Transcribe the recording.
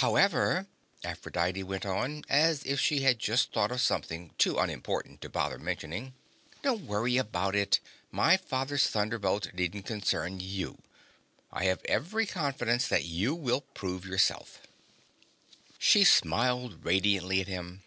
"However," Aphrodite went on, as if she had just thought of something too unimportant to bother mentioning, "don't worry about it. My father's thunderbolt needn't concern you. I have every confidence that you will prove yourself." She smiled radiantly at him.